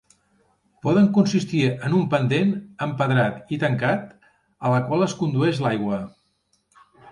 Poden consistir en un pendent, empedrat i tancat, a la qual es condueix l'aigua.